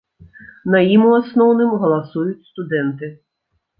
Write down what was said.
На ім у асноўным галасуюць студэнты.